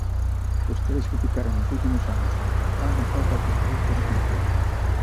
Vostedes criticaron nos últimos anos e na campaña a falta de transparencia no Concello.